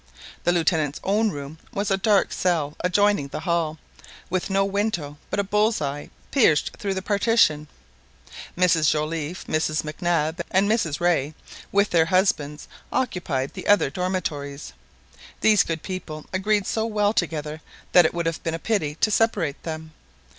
The Lieutenant's own room was a dark cell adjoining the hall, with no window but a bull's eye pierced through the partition. Mrs Joliffe, Mrs Mac Nab, and Mrs Rae, with their husbands, occupied the other dormitories. These good people agreed so well together that it would have been a pity to separate them.